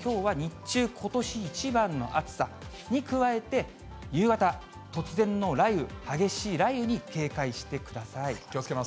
きょうは日中、ことし一番の暑さに加えて、夕方、突然の雷雨、激しい雷雨に気をつけます。